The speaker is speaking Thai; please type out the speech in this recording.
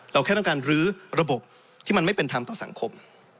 แค่ต้องการรื้อระบบที่มันไม่เป็นธรรมต่อสังคม